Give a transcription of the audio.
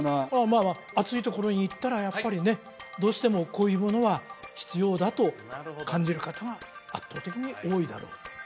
まあ暑いところに行ったらやっぱりねどうしてもこういうものは必要だと感じる方は圧倒的に多いだろうと